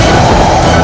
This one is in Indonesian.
itu udah gila